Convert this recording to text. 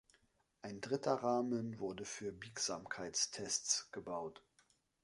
Ein dritter Rahmen wurde für Biegsamkeitstests gebaut.